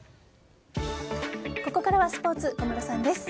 ここからはスポーツ小室さんです。